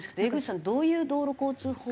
さんどういう道路交通法。